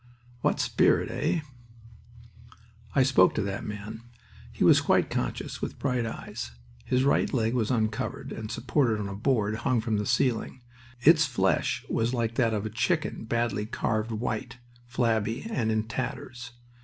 What spirit, eh?" I spoke to that man. He was quite conscious, with bright eyes. His right leg was uncovered, and supported on a board hung from the ceiling. Its flesh was like that of a chicken badly carved white, flabby, and in tatters.